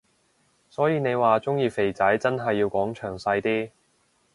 所以你話鍾意肥仔真係要講詳細啲